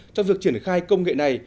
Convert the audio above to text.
trong việc triển khai công nghệ này